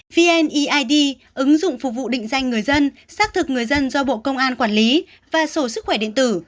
vneid ứng dụng phục vụ định danh người dân xác thực người dân do bộ công an quản lý và sổ sức khỏe điện tử